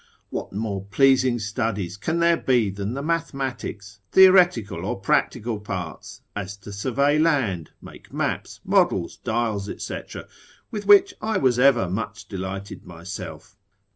What more pleasing studies can there be than the mathematics, theoretical or practical parts? as to survey land, make maps, models, dials, &c., with which I was ever much delighted myself.